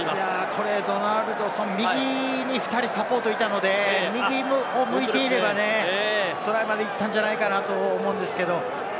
これドナルドソン、右に２人サポートがいたので、右を向いていればね、トライまで行ったんじゃないかなと思うんですけれども。